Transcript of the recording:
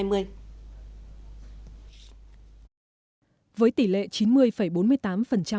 quốc hội đã thông qua nghị quyết về phân bổ ngân sách trung ương năm hai nghìn hai mươi